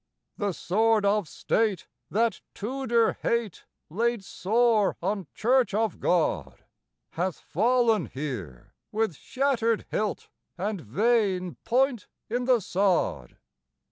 The Sword of State that Tudor hate laid sore on Church of God, Hath fallen here with shattered hilt and vain point in the sod.